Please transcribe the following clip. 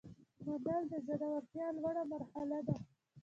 منل د زړورتیا لوړه مرحله ده.